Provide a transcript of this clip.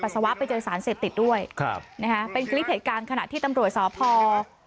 เสร็จติดด้วยครับนะฮะเป็นคลิปเหตุการณ์ขณะที่ตำรวจสาวพอร์